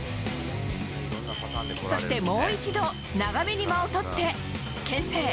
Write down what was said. そしてもう一度長めに間をとって牽制。